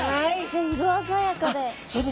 色鮮やかで。